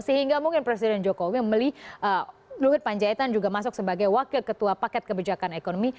sehingga mungkin presiden jokowi membeli luhut panjaitan juga masuk sebagai wakil ketua paket kebijakan ekonomi